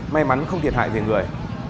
may mắn không thiệt hại về người